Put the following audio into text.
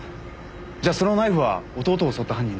じゃそのナイフは弟を襲った犯人の。